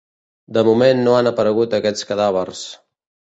De moment no han aparegut aquests cadàvers.